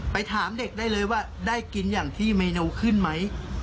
ถามเด็กได้เลยว่าได้กินอย่างที่เมนูขึ้นไหม